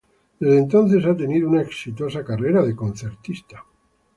Desde entonces, ha tenido una exitosa carrera de concertista.